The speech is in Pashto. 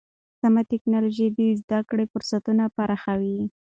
سمه ټکنالوژي د زده کړې فرصتونه پراخوي.